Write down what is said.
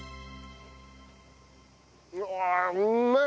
うわうめえ！